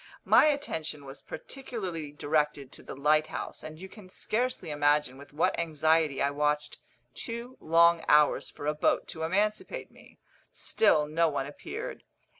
My attention was particularly directed to the lighthouse, and you can scarcely imagine with what anxiety I watched two long hours for a boat to emancipate me; still no one appeared.